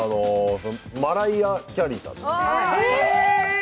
マライア・キャリーさん。